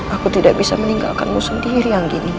aku tidak bisa meninggalkanmu sendiri anggini